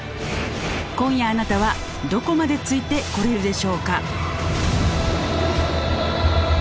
今夜あなたはどこまでついてこれるでしょうか？